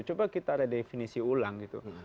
coba kita redefinisi ulang gitu